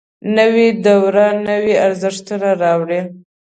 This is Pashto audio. نوې دوره نوي ارزښتونه راوړي